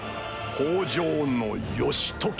北条義時。